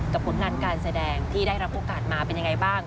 ผลงานการแสดงที่ได้รับโอกาสมาเป็นยังไงบ้าง